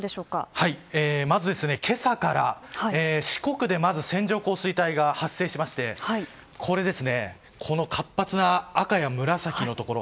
今朝から四国でまず線状降水帯が発生しましてこの活発な赤や紫のところ。